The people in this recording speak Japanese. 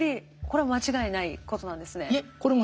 これは間違いないことなんですね？